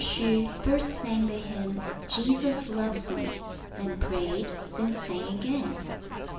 Hsu first sang the hymn "Jesus loves me"—then prayed, then sang again.